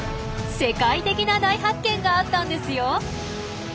世界的な大発見があったんですよ！